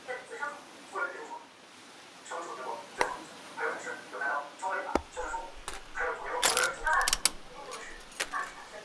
曷言乎罗汉脚也？